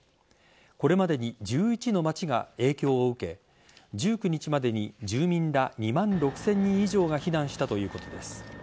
これまでに１１の町が影響を受け１９日までに住民ら２万６０００人以上が避難したということです。